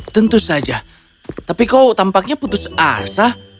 tentu saja tapi kau tampaknya putus asa